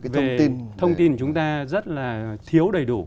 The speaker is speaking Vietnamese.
về thông tin của chúng ta rất là thiếu đầy đủ